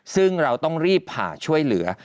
ซึ่งเราต้องรีบผ่าช่วยเหลือ